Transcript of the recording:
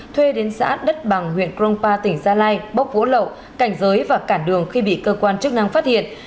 thuê đến xã đất bằng huyện crong pa tỉnh gia lai bốc vỗ lậu cảnh giới và cản đường khi bị cơ quan chức năng phát hiện